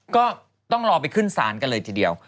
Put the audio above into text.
ก็ต้องรอไปขึ้นศาลกันเลยทีเดียว